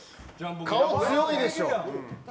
顔強いでしょ。